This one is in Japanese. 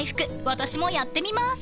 私もやってみます］